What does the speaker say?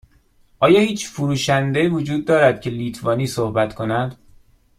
آیا هیچ فروشنده وجود دارد که لیتوانی صحبت کند؟